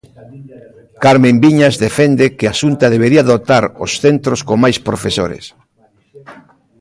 Carmen Viñas defende que a Xunta debería dotar os centros con máis profesores.